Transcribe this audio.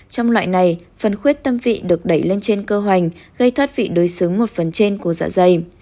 trong loại này phần khuyết tâm vị được đẩy lên trên cơ hoành gây thoát vị đối xứng một phần trên của dạ dày